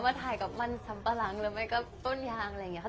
มาถ่ายกับมันสัมปรังแล้วไม่กับต้นยางอะไรอย่างเงี้ย